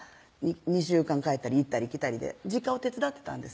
２週間帰ったり行ったり来たりで実家を手伝ってたんです